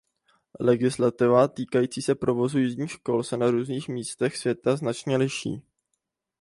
Legislativa týkající se provozu jízdních kol se na různých místech světa značně liší.